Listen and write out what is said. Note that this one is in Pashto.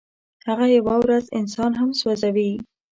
هغه یوه ورځ انسان هم سوځوي.